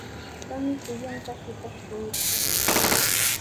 Qami kuyanqaa shipash kanki.